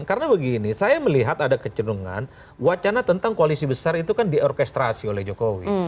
karena begini saya melihat ada kecenungan wacana tentang koalisi besar itu kan diorkestrasi oleh jokowi